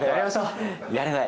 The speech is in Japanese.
やれない。